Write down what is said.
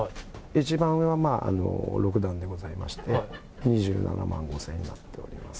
一番上は六段でございまして、２７万５０００円になっております。